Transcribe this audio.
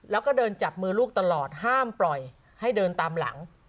แล้วก็เดินจับมือลูกตลอดห้ามปล่อยให้เดินตามหลัง